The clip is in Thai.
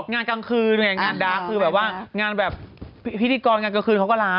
งานกลางคืนงานดาร์กคือแบบว่างานแบบพิธีกรงานกลางคืนเขาก็รับ